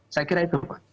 saya kira itu pak